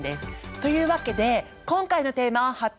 というわけで今回のテーマを発表します！